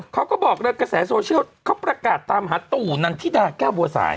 เขาบอกเลยกระแสโซเชียลเขาประกาศตามหาตู่นันทิดาแก้วบัวสาย